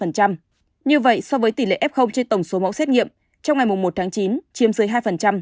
như vậy so với tỷ lệ f trên tổng số mẫu xét nghiệm trong ngày một tháng chín chiếm dưới hai